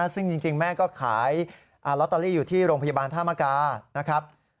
ซึ่งจริงแม่ก็ขายลอตเตอรี่อยู่ที่โรงพยาบาลธามกานะครับ